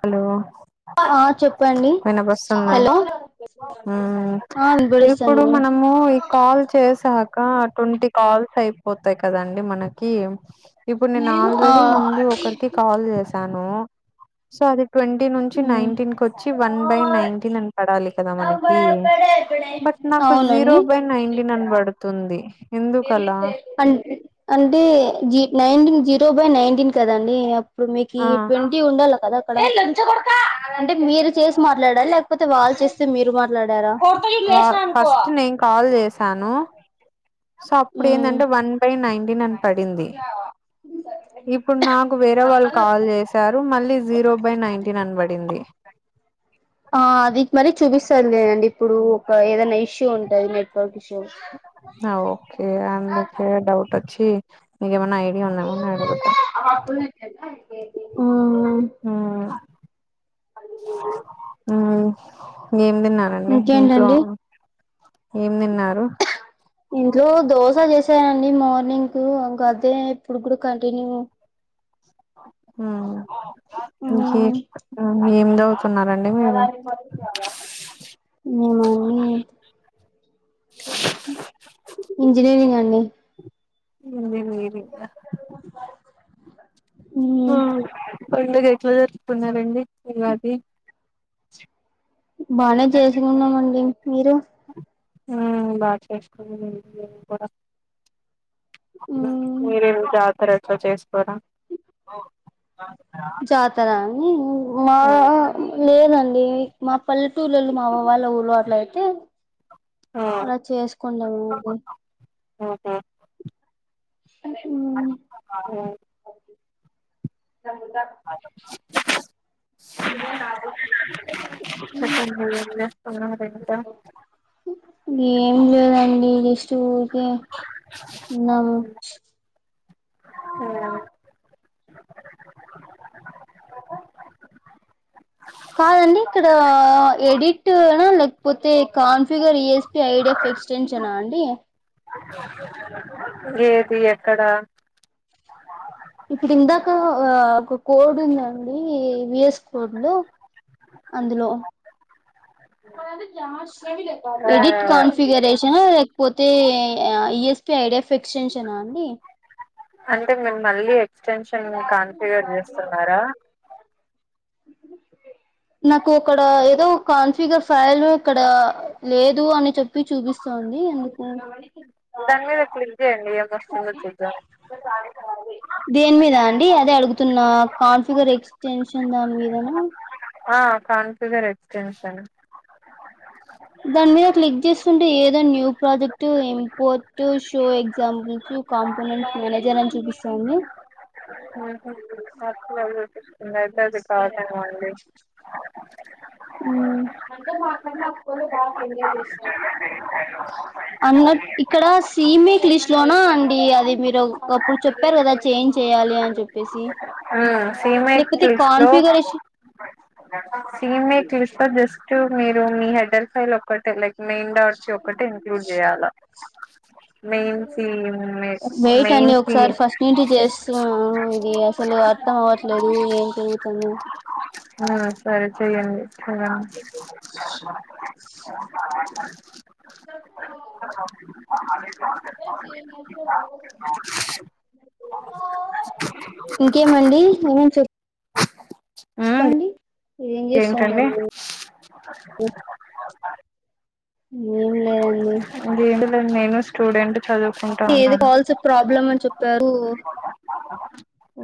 Hello ఆ చెప్పండి పోన బస్తుందా హలో మ్మ్ ఆ ఇప్పుడు వినపడిస్తుంది మనము ఈ కాల్ చేసా ఇ తొంటి కాల్స్ అయిపోతాయి కదండి మనకి ఇప్పుడు నేను ఆ ఆల్రెడీ ముందు ఒకరికి కాల్ చేశాను నువ్ సారే ట్వంటీ నుంచి నైన్టీన్ క వచ్చి వన్ బై నైన్టీన్ అని పడాలి కదా మనకి బట్ నాకు జీరో అవునండి బై నైన్టీన్ అని పడుతుంది ఎందుకలా అ అంటే జ నైన్టీన్ జీరో బై నైన్టీన్ కదండి అప్ ఇప్పుడు మీకు ఆ ట్వంటీ ఉండాల్లా కదా అంటే మీరు చేసి మాట్లాడాలి లేకపోతే వాళ్ళు చేస్తే మీరు మాట్ వా ఫస్ట్ నేను కాల్ చేసాను సో అప్పుడు మ్ ఏంటంటే వన్ బై నైన్ ఇనాన్ పడింది ఇప్పుడు నాకు వేరే వాళ్ళు కాల్ చేశారు మళ్ళీ జీరో బై నైటీన్ అనబడింది సరలేదండి ఇప్పుడు ఒక ఏదైనా ఇష్యూ ఉంటది నెట్వర్క్ ఇష్యూ ఓకే అందుక డౌట్ వచ్చి ఇ మ ఐడియా ఉన్నా మన్నా అడుగుతా మ్మ్ మ్మ్ హ్మ్ మీ ందిన్నానండి ఇంట్లో ఇంకేంటండి ఏం తిన్నారు ఇంట్లో దోశ చేసానండి మార్నింగ్ కు ఇంకా అదే ఇప్పుడు కూడా కంటిన్యూ మ్మ్ మ్మ్ హు మ్మ్ ఎండవుత్ ఏమీ [unintelligible] ఇంజనీీరింగ్ అండి ఇంగేం లెరింగా మ్మ్ కొడుగేట్లో జరుపుకున్నారండి ఇలాది చె బానే చేసుకున్నామండి మీరు బ చేస్కు కూడా మ్మ్ మీర జతర చేసుకోర చాతర అ మా మ్మ్ లేదండి మా పల్లెటూళ్లలు మా వాళ్ళ ఊళ అట్ల అయితే ఆ అలా చేసుకుంటాము అడి ఆహ అ [unintelligible] [unintelligible] చెప్పండి ఏం చేస్తున్నారు ఇంకా ఏం లేదండి జస్ట్ ఊరికే ఉన్నాము అ నా లేకపోతే కాన్ఫిగర్ ఈఎస్పి ఐడిఫ్ ఎక్స్టెన్షనా అండి ఏది ఎక్కడా ఇప్పుడు ఇందాక ఒక కోడ్ ఉందండి విఎస్ కోడ్ లో అందులో ఆ ఎడిట్ కన్ఫిగరేషన్ ఆ చేడెస్ ఫిక్స్టెన్షనా అండి అంటే మేము మళ్ళీ ఎక్స్టెన్షన్ కాంతిగర్ చేస్తున్నారా నాకు ఒకక్కడ ఏదో ఒక కాన్ఫిగర్ ఫైల్ ఇక్కడ లేదు అని చెప్పి చూపిస్తాంది ఎందుకు దాని మీద క్లిక్ చేయండి కస్ంగతుద దేని మీద అండి అదే అడుగుతున్న కాన్ఫిగర్ ఎక్స్టెన్షన్ దాని మీదనా ఆ కన్ఫ్యూజర్ ఎక్స్టెన్షన్ దాని మీద క్లిక్ చేస్తుంటే ఏదో new project import show examples components manager అని చూపిస్తాది మాకు ఇందయితే అది కావటమండి అన్నట్ ఇక్కడ సిమి క్లి జొనా అండి అది మీరు అప్పుడు చెప్పారు కదా చేంజ్ చెయాలి అని చెప్పేసి. హ్ సిమెట్ లేకపోతే ఫిల్స్ లో కాన్ఫిగరేషన్ సీమెట్ క్లిస్ లో జస్ట్ మీరు మీ హెడ్డర్ ఫైల్ ఒక్కటే లైక్ మెయిన్ డాక్స్ ఒకటే ఇంక్లూడ్ చేయాలా, మెయిన్ సీమ్, వెయిట్ అండి మెయిన్ ఒకసారి సీమ్ ఫస్ట్ నుంచి చేస్తున్నాను ఇది అసలు అర్థం అవ్వట్లేదు ఏం జరుగుతుంది హా సరే చెయ్యండి. హ చెప్పుకో ఇంకేమండి ఇంకేం చెప్ చెప్పండి. ఏంటండీ. ఉ ఏం లేదండి. ఏంటింది అండి. నేను కూడ స్టూడెంట్ చదువుకుంటా ఏది ఉన్నాను కాల్స్ ప్రాబ్లమ్ అని చెప్పారు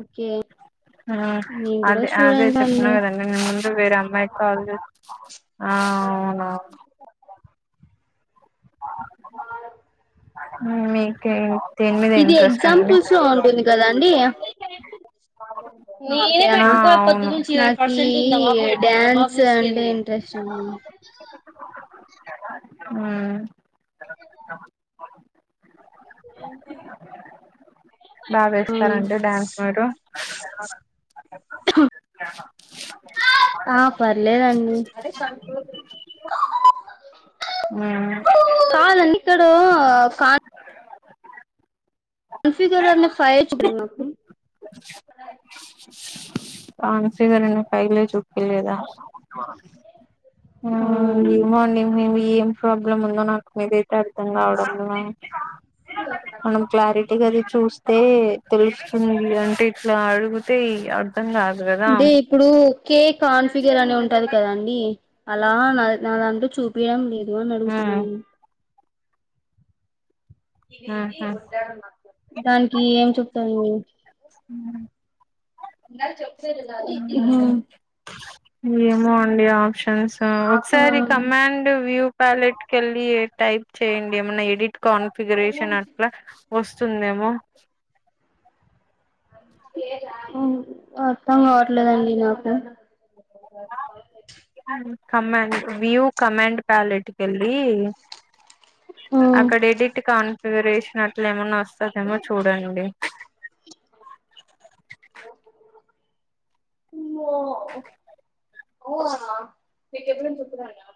ఓకే. హా నేను కూడా అదే అదే స్టూడెంట్స్ చెప్పిన అండి కదండి నేను ముందు వేరే అమ్మాయి కాల్ చేసి, ఆ అవును. మీకే ఇది ఎగ్జాంపుల్స్ లో ఉంటుంది కదా అండి. కాదండి. మీరే ఆ పెట్టుకొని అవును పొదునుంచి వన్ పర్సెంట్ ఈ డాన్స్ అంటె ఏం ఇంట్రెస్ట్ ఏమన్నా హామ్ ఏంటిది. బావేస్తార అండి డ్యాన్స్ మీరు? అవును ఆ పర్లేదు అండి. హుమ్ కాదండి ఇక్కడ కాన్ కాన్ఫిగర్ అనే ఫైల్ చూపిత్తలేదు నాకు కాన్ఫిగర్ అనే ఫైల్ ఏ చూపియలేదా. హుమ్ ఏమో అండి మేబి ఏం ప్రాబ్లమ్ ఉందో నాకు మీది అర్థం కావడంలె మనం క్లారిటీగ అది చూస్తే అంటే తెలుస్తుంది. అంటే ఇట్లా అడుగుతే అర్ధం కాదు కదా అంటే ఉమ్ ఇప్పుడు కే కాన్ఫిగర్ అనీ ఉంటది కదా అండి అలా నాదంటూ చూపీ యడం లేదు. ఎవర్ని అడుగుతున్నావ్ ఉహు దానికి ఏం చెప్తు అయ్యో హ్ హ్ హు ఏమో అండి ఆప్షన్ తెలుసా ఒకసారి కమాండ్ వ్యూ ప్యాలెట్ కి ఏళ్ళి టైప్ చేయండి ఏమన్నా ఎడిట్ కాన్ఫిగరేషన్ అట్లా వస్తుందేమో అర్థం కావట్లేదండి నాకు ఆవు కమాండ్ వ్యూ కమాండ్ ప్యాలెట్ కెల్లి అక్కడ ఎడిక్ట్ కా ప్రేవేసినట్ల ఏమన్నా వస్తాదేమో చూడండి. ఓ ఓ అన్న నీకు ఎప్పుడు గుర్తుకు రానా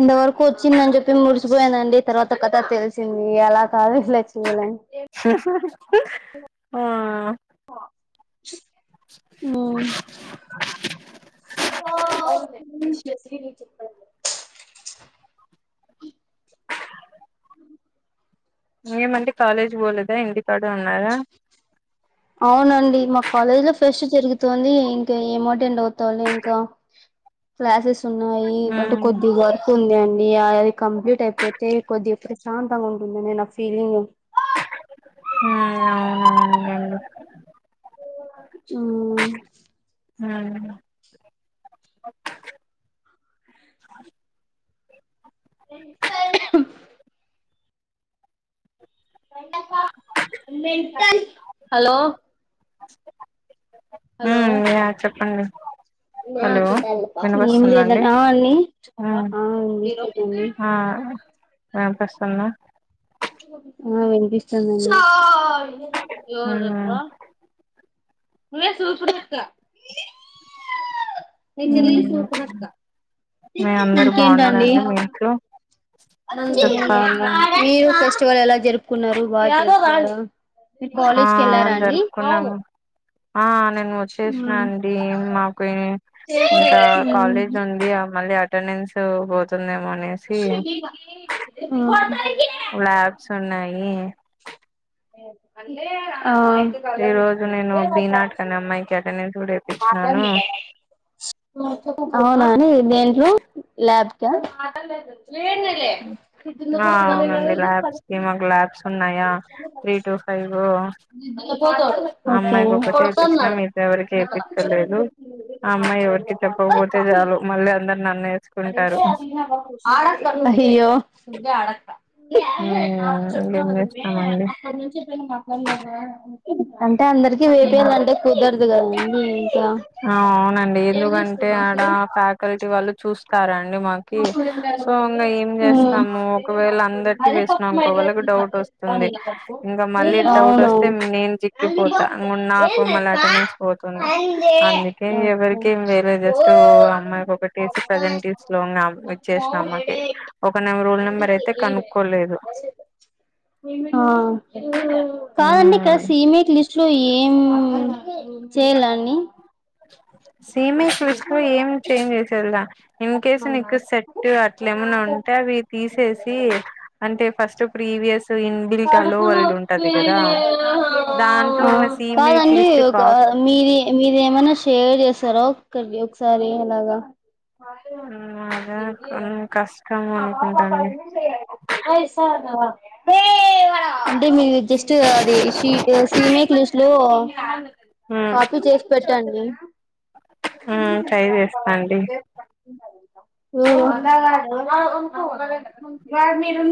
ఇంతవరకు వచ్చిందని చెప్పి మురిసిపోయానండి. తర్వాత కథ తెలిసింది ఎలా కాదు ఇలా చేయాలని ఆ ప ము ఏమండి కాలేజ్ పోలేదా ఇంటికాడ ఉన్నారా. అవునండి. మా కాలేజ్ లో ఫెస్ట్ జరుగుతుంది. ఇంకా ఏం అటెండ్ అవుతావు లే ఇంకా క్లాసెస్ ఉన్నాయి. అంటే ఉమ్ కొద్ది వర్క్ ఉంది అం యా అది కంప్లీట్ అయిపోతే కొద్ది ప్రశాంతంగా ఉంటుందిని నా ఫీలింగ్ హ్ అవునవును లేండి చూ అ హలో హలో ఉమ్ యా చెప్పండి హలో ఏం లేద ఆ అండి ఉమ్ ఆ వినిపిస్తుందా ఆ వినిపిస్తాందండి ఎవరు అప్ప ఉమ్ నువ్వే సూపర్ అక్క ఉమ్ [unintelligible] మీ అక్క అందరు ఇంకేంటి అండి బాగున్నారండి మీ ఇంట్లో చెప్పాలండి మీరు పులు ఎలా జరుపుకున్నారు వాటిలా ఆ జరుపుకున్నాం ఆ నేను వచ్చేసినా అండి మాకు ఇంకా కాలేజ్ ఉంది మళ్ళీ అటెండెన్స్ పోతుంది ల్యాబ్స్ ఉన్నాయి హుమ్ అంటే ఈ రోజు నేను బీనాటుకనే అమ్మాయికి అటెండన్స్ అవునాండి దేంలో లాబ్ క ఆ అవునండి ల్యాబ్స్ కి మాకు ల్యాబ్స్ ఉన్నాయా త్రీ టూ ఫైవ్ [inaudible] అమ్మాయికి ఒకటే వేపించిన మిగతా ఎవరికి వేపించలేదు ఓకే ఆ అమ్మాయి ఎవరికి చెప్పకపోతే చాలు మళ్ళీ అందరు నన్ను అడ వేసుకుంటారు అయ్యో ఉమ్ నాకు చెప్పన్నావు ఇంకేం కదమీ చేస్తామండి అక్కటి నుంచి చెప్పిన మా అంత అంటే అందరికీ ఉమ్ వేపేాలంటే కుదరదు కదండి ఇంకా అవునండి ఎందుకంటే ఆడ ఫ్యాకల్టీ వాళ్ళు చూ చూస్తారాని మాకి సో ఇంకా ఏం చేస్తాము ఒకవేళ అందరికి అదే పప్పు వేసినం మైదా ఇంకోవేళకి డౌట్ వస్తుంది నీళ్ళ పప్పు ఇంకా మళ్ళీ డౌట్ అవును వస్తే నేను చిక్కిపోతా ఇం నాకు మళ్ళీ అటెండెన్స్ పోతుంది అందుకే ఎవరికి వేరే జస్ట్ అమ్మాయికి ఒకటీ ప్రెసెంట్ తీసుకున్నాం ఆ నెం రోల్ నెంబర్ అయితే కనుక్కోలేదు కాదండి ఇక్కడ మ్మ్ సి మేక్ లిస్ట్ ఏమ్ చేయలా అని సీమేక్ లిస్ట్ లో ఏం చేంజ్ చేసేదిదా ఇన్ కేస్ నీకు సెట్ అట్లా ఏమన్నా ఉంటే అవి తీసేసి అంటే first previous inbuilt hello world ఉంటది కదా ఆ దాంట్లో ఉన్న సీమేక్ లిస్ట్ కాప్ మీర మీరేమైనా షేర్ చేస్త ఒక సర ఒకక్కడి ఒకసారి అలాగా అద కష్ట సావా అంటే మీరు జస్ట్ అది సీమ క్లూస్ లో అ ఉమ్ కాపీ చేసి పెట్టండి ఉమ్ ట్రై చేస్తాండి ఓహో ఒకవేళ మీరు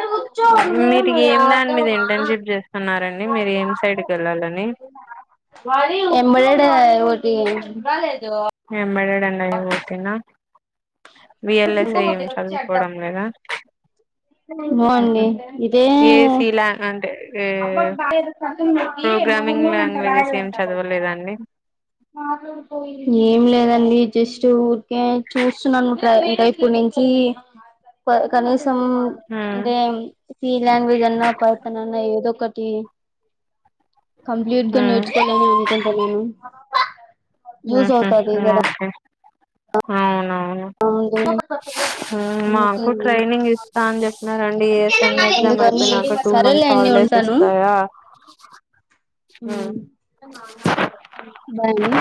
ఏయ్ నుంచో మీరు నువ్వేమి ఏం దాని మీద ఆడుతావా ఇంటర్న్షిప్ చేస్తున్నారండి మీరు ఏం సైడ్కి వెళ్ళాలని ఇప్పుడు అది [inaudible] [unintelligible] హైదరాబాద్ కా ఆ మీ అన్న సేమ్ చదువుకోవడం లేదా ఉహు ండి ఇదే ఏసీ లా అంటే ఏ అబ్బా ప్రోగ్రామింగ్ లాంగ్వేజెస్ ఏం [unintelligible] చదవలేదండి ఏం లేదండి జస్ట్ ఊరికే చూస్తున్నాను ఇంకా ఇప్పుడు నుంచి కనీ సం హ్మ్ అంటే సి లాంగ్వేజ్ అన్నా పడతనన్నా ఏదో ఒకటి కంప్లీట్ గా హ్మ్ నేర్చు [inaudible] మ్మ్ హ్మ్ హ్మ్మ్ అవునవును ముందు మాకు ట్రైనింగ్ ఇస్తా అని చెప్పినారండి ఏ ఎస్ ఎం ఎగ్జామ్ అందుకని అయిపోయినాక టూ మంత్స్ సరేలేండి హాలిడేస్ ఉంటాను ఇస్తాయా బాయ్ అండి